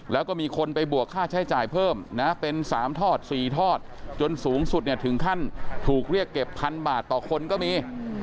แล้วก็มีคนไปบวกค่าใช้จ่ายเพิ่มนะเป็น๓ทอด๔ทอดจนสูงสุดเนี่ยถึงขั้นถูกเรียกเก็บพันบาทต่อคนก็มี